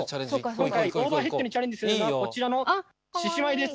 今回オーバーヘッドにチャレンジするのはこちらの獅子舞です！